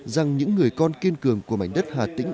rằng những người con kiên cường của mảnh đất hà tĩnh